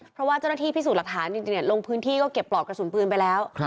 เพราะว่าเจ้าหน้าที่พิสูจน์หลักฐานจริงลงพื้นที่ก็เก็บปลอกกระสุนปืนไปแล้ว